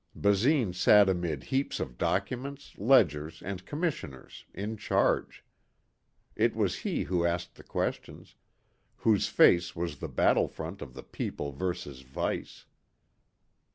Basine sat amid heaps of documents, ledgers and commissioners, in charge. It was he who asked the questions, whose face was the battle front of the People versus Vice.